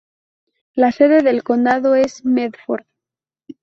La sede del condado es Medford.